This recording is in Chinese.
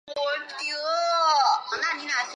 加里波第站是巴黎地铁的一个车站。